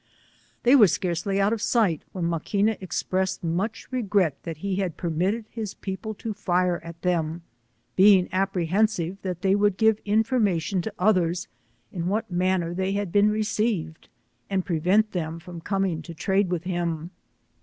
They were scarcely out of sight when Maquina expressed much regret that he had permitted his people to fire at them, being apprehensive that they v^ould give information to others in what manner they htid been received, and prevent them from coming to trade with him.